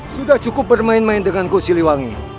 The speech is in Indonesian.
sudah cukup bermain main dengan kusiliwangi